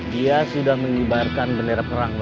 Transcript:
dia sudah menyebarkan bendera perang bos